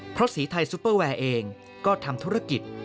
เพราะสีไทยซุปเปอร์แวร์เองก็ทำธุรกิจ